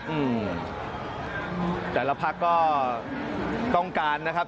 อืมแต่ละพักก็ต้องการนะครับ